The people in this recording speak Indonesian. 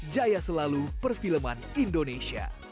jaya selalu perfilman indonesia